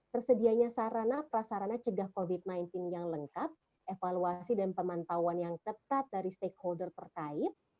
tersedianya sarana prasarana cegah covid sembilan belas yang lengkap evaluasi dan pemantauan yang ketat dari stakeholder terkait